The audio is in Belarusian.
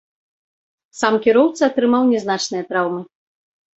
Сам кіроўца атрымаў нязначныя траўмы.